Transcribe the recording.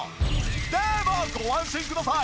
でもご安心ください。